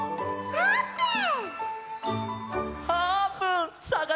あーぷん！